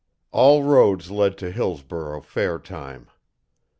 All roads led to Hillsborough fair time.